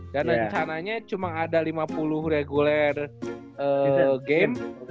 dan rencananya cuma ada lima puluh regular game